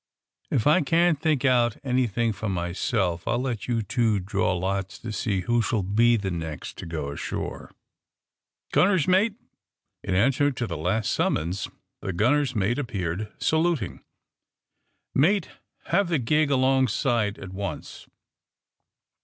If I can^t think out anything for my self I'll let you two draw lots to see who shall he the next to go ashore. Gunner's mate!" In answer to the last summons the gunnery's mate appeared, saluting. Mate, have the gig alongside at once.'